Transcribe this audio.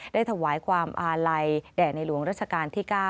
ถวายความอาลัยแด่ในหลวงรัชกาลที่๙